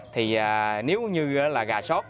thì nếu như là gà sót